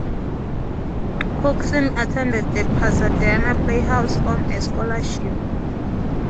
Cookson attended the Pasadena Playhouse on a scholarship.